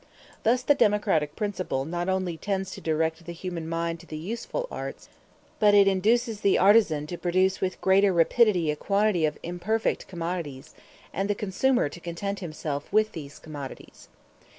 Thus the democratic principle not only tends to direct the human mind to the useful arts, but it induces the artisan to produce with greater rapidity a quantity of imperfect commodities, and the consumer to content himself with these commodities.